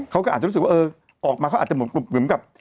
เขาก็อาจจะรู้สึกว่าเออออกมาเขาอาจจะเหมือนกับ